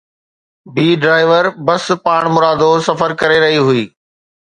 بي driver bus پاڻمرادو سفر ڪري رهي هئي